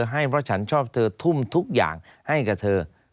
ให้เพราะฉันชอบเธอทุ่มทุกอย่างให้กับเธอ